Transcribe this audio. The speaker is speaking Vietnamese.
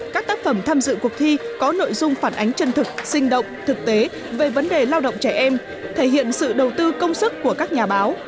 các tác phẩm tham dự cuộc thi có nội dung phản ánh chân thực sinh động thực tế về vấn đề lao động trẻ em thể hiện sự đầu tư công sức của các nhà báo